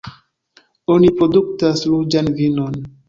Oni produktas ruĝan vinon.